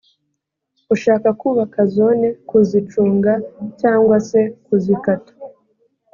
ushaka kubaka zone kuzicunga cyangwa se kuzikata